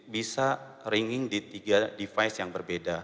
bisa ringing di tiga device yang berbeda